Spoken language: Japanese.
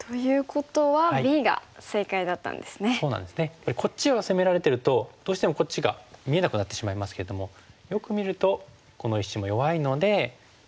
やっぱりこっちが攻められてるとどうしてもこっちが見えなくなってしまいますけどもよく見るとこの石も弱いのでしっかりとスベって。